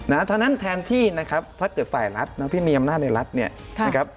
เพราะฉะนั้นพัดเกิดฝ่ายรัฐพี่มีอำนาจในรัฐ